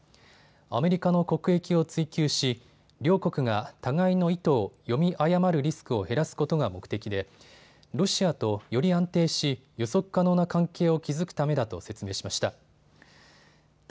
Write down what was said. アメリカの国益を追求し両国が互いの意図を読み誤るリスクを減らすことが目的でロシアとより安定し予測可能な関係を築くためだと説明しました。